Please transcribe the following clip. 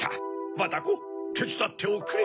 バタコてつだっておくれ。